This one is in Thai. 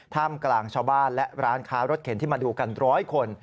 ท่ามกลางชาวบ้านและร้านค้ารถเข็นที่มาดูกันร้อยคน